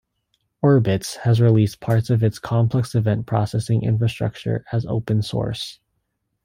Orbitz has released parts of its Complex Event Processing infrastructure as Open Source.